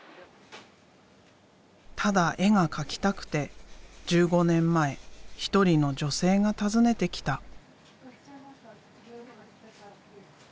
ただ絵が描きたくて１５年前一人の女性が訪ねてきた。